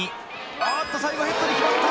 あっと最後ヘッドに決まった！